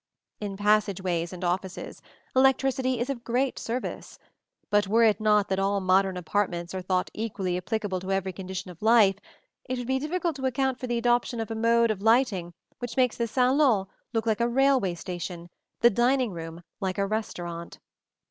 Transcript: In passageways and offices, electricity is of great service; but were it not that all "modern improvements" are thought equally applicable to every condition of life, it would be difficult to account for the adoption of a mode of lighting which makes the salon look like a railway station, the dining room like a restaurant.